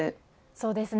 そうですね。